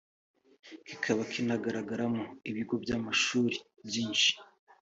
kikaba kinagaragaramo ibigo by’amashuri byinshi